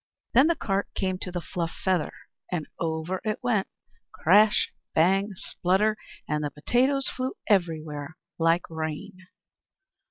Then the cart came to the fluff feather, and over it went crash, bang, splutter; and the potatoes flew everywhere, like rain.